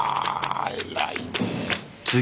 偉いねえ。